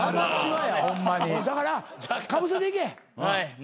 はい。